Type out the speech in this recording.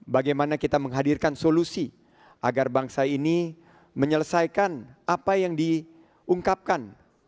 bagaimana kita menghadirkan solusi agar bangsa ini menyelesaikan apa yang diungkapkan